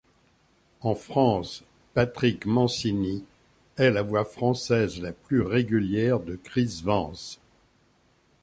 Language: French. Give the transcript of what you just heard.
En France, Patrick Mancini est la voix française la plus régulière de Chris Vance.